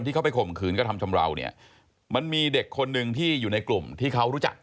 ที่เขาไปข่มขืนกระทำชำราวเนี่ยมันมีเด็กคนหนึ่งที่อยู่ในกลุ่มที่เขารู้จัก